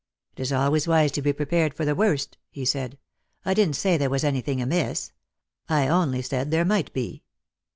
"It is always wise to be prepared for the worst," he said. "I didn't say there was anything amiss. I only said there might be."